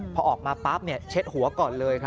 พอออกมาปั๊บเช็ดหัวก่อนเลย